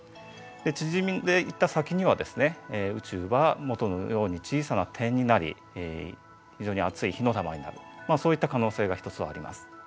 で縮んでいった先にはですね宇宙は元のように小さな点になり非常に熱い火の玉になるそういった可能性が一つはあります。